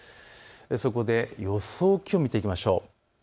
そこで予想気温を見ていきましょう。